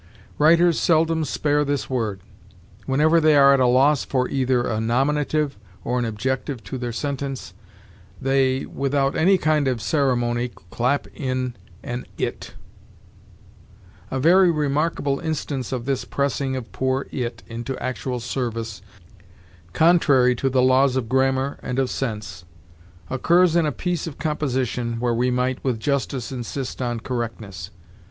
Writers seldom spare this word. Whenever they are at a loss for either a nominative or an objective to their sentence, they, without any kind of ceremony, clap in an it. A very remarkable instance of this pressing of poor it into actual service, contrary to the laws of grammar and of sense, occurs in a piece of composition, where we might, with justice, insist on correctness.